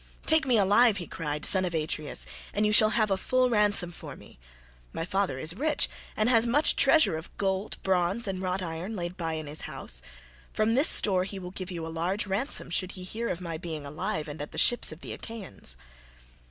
"Take me alive," he cried, "son of Atreus, and you shall have a full ransom for me: my father is rich and has much treasure of gold, bronze, and wrought iron laid by in his house. From this store he will give you a large ransom should he hear of my being alive and at the ships of the Achaeans."